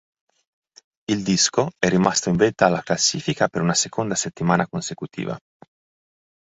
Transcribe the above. Il disco è rimasto in vetta alla classifica per una seconda settimana consecutiva.